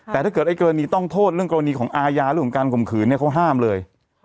แต่ถ้าเกิดไอ้กรณีต้องโทษเรื่องกรณีของอาญาเรื่องของการข่มขืนเนี่ยเขาห้ามเลย